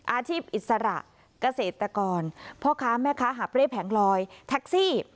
อาชีพอิสระเกษตรกรพ่อค้าแม่ค้าหาบเร่แผงลอยแท็กซี่